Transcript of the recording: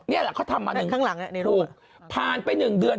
นี่แหละเขาทำมาหนึ่งถูกผ่านไปหนึ่งเดือน